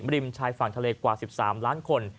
ริมชายฝั่งทะเลกว่า๑๓ล้านคน